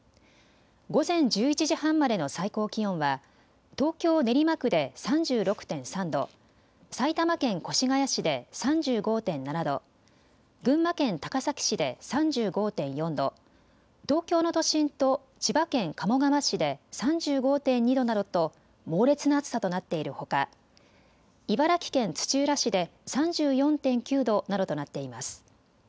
午前１１時半までの最高気温は東京練馬区で３６．３度、埼玉県越谷市で３５．７度、群馬県高崎市で３５．４度、東京の都心と千葉県鴨川市で３５．２度などと猛烈な暑さとなっているほか茨城県土浦市で３４．９度などとなっています。